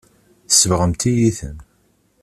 Tsebɣemt-iyi-ten.